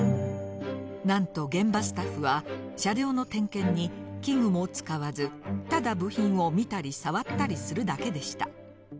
なんと現場スタッフは車両の点検に器具も使わずただ部品を見たり触ったりするだけでした。